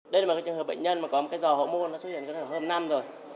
đây là một trường hợp bệnh nhân mà có một cái dò hậu môn nó xuất hiện rất là hôm năm rồi